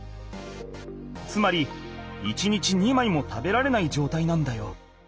つまり１日２枚も食べられないじょうたいなんだよ。